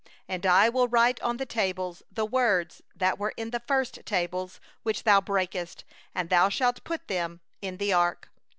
2And I will write on the tables the words that were on the first tables which thou didst break, and thou shalt put them in the ark.